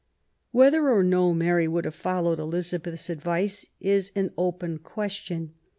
Whether or no Mary would have followed Eliza beth's advice is an open question.